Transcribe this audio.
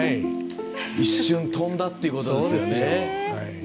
一瞬、飛んだっていうことですよね。